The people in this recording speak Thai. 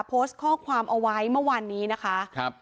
โพสต์ข้อความเอาไว้เมื่อวานนี้นะคะครับ